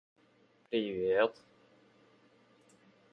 Nearly all of the vehicles are converted trucks.